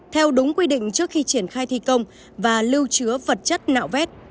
theo đúng quy định trước khi triển khai thi công và lưu chứa vật chất nạo vét